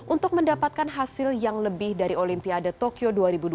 untuk mendapatkan hasil yang lebih dari olimpiade tokyo